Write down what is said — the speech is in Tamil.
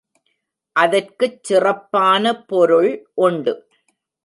அதற்குச் சிறப்பான பொருள் உண்டு.